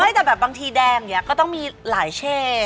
ไม่แต่แบบบางทีแดงเนี่ยก็ต้องมีหลายเชฟ